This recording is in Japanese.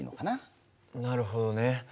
なるほどね。